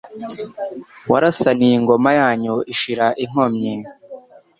Warasaniye ingoma yanyu ishira inkomyi,